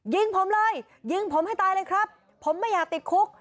ยิงผมเลยยิงผมให้ตายเลยครับผมไม่อยากติดคุก